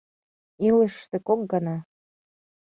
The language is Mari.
Илышыште кок гана.